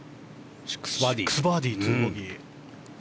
６バーディー、２ボギー。